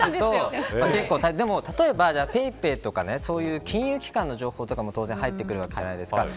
でも、例えばＰａｙＰａｙとかそういう金融機関の情報とかも当然入ってくるわけじゃないですか。